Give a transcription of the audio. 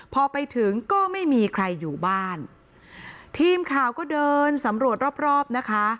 พอไปถึงก็ไม่มีใครอยู่บ้านทีมข่าวก็เดินสำรวจรอบรอบนะคะ